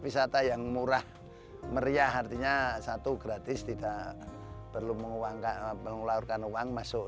wisata yang murah meriah artinya satu gratis tidak perlu menguangkan mengularkan uang masuk